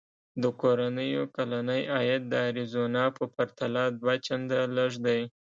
د کورنیو کلنی عاید د اریزونا په پرتله دوه چنده لږ دی.